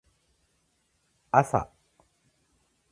朝